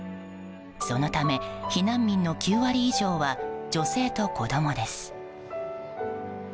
そのため避難民の９割以上は女性と子供です。